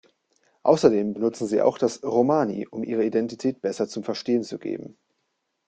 Außerdem benutzen sie auch das Romani, um ihre Identität besser zum Verstehen zu geben.